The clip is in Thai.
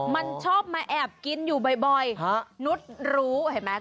มันชอบมาแอบกินอยู่บ่อยนุษย์รู้เห็นไหม